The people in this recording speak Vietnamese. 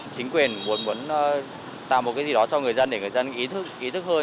chính quyền muốn tạo một cái gì đó cho người dân để người dân ý thức hơn